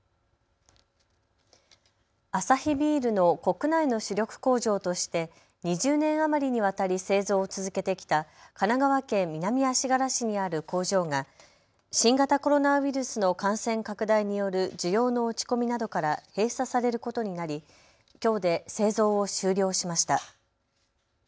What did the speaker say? アサヒビールの国内の主力工場として２０年余りにわたり製造を続けてきた神奈川県南足柄市にある工場が新型コロナウイルスの感染拡大による需要の落ち込みなどから閉鎖されることになり、きょうで製造を終了しました。